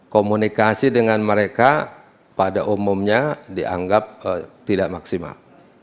komunikasi dengan mereka pada umumnya dianggap tidak maksimal